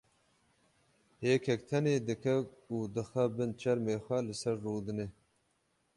hêkek tenê dike û dixe bin çermê xwe li ser rûdine.